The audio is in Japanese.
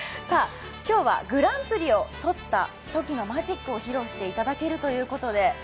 今日はグランプリを取ったときのマジックを披露していただけるということで。